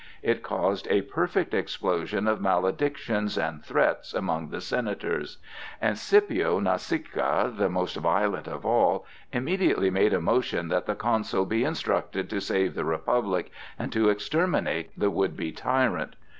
It caused a perfect explosion of maledictions and threats among the Senators; and Scipio Nasica, the most violent of all, immediately made a motion that the Consul be instructed to save the Republic and to exterminate the would be tyrant.